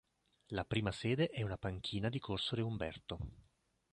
La prima sede è una panchina di Corso Re Umberto.